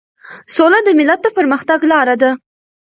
سوله د ملت د پرمختګ لار ده.